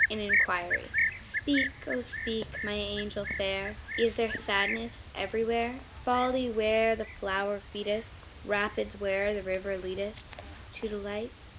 An Inquiry Speak, O speak, my angel fair, Is there sadness everywhere Folly where the flower feedeth Rapids where the river leadeth To delight?